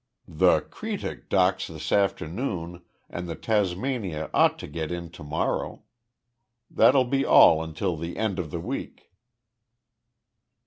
"The Cretic docks this afternoon and the Tasmania ought to get in to morrow. That'll be all until the end of the week."